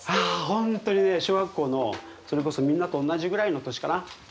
本当にね小学校のそれこそみんなとおんなじぐらいの年かな。